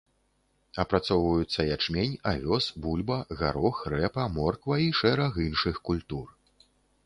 Апрацоўваюцца ячмень, авёс, бульба, гарох, рэпа, морква і шэраг іншых культур.